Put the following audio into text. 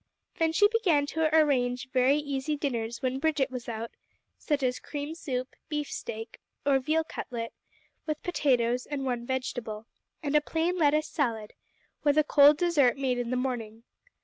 Then she began to arrange very easy dinners when Bridget was out, such as cream soup, beefsteak or veal cutlet, with potatoes and one vegetable, and a plain lettuce salad, with a cold dessert made in the morning.